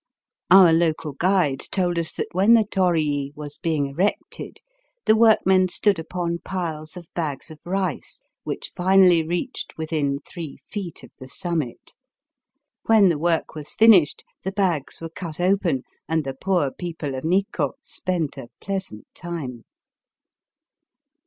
Our local guide told us that when the torii was being erected the workmen stood upon piles of bags of rice which finally reached within three feet of the summit. When the work was finished the bags were cut open, and the poor people of Nikko spent a pleasant time.